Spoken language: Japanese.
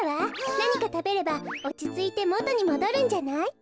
なにかたべればおちついてもとにもどるんじゃない？